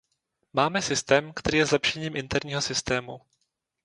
Máme systém, který je zlepšením interního systému.